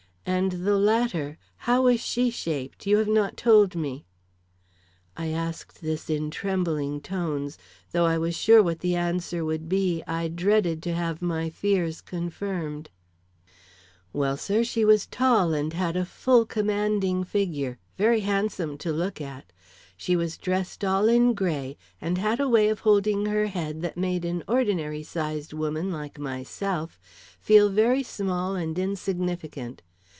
"And the latter? How was she shaped? You have not told me." I asked this in trembling tones. Though I was sure what the answer would be, I dreaded to have my fears confirmed. "Well, sir, she was tall and had a full commanding figure, very handsome to look at. She was dressed all in gray and had a way of holding her head that made an ordinary sized woman like myself feel very small and insignificant.